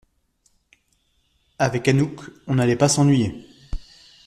Avec Anouk, on n’allait pas s’ennuyer!